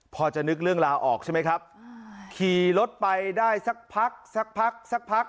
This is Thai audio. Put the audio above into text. พอจะนึกเรื่องลาออกใช่ไหมครับขี่รถไปได้สักพักสักพักสักพัก